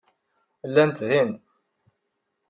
Llant din.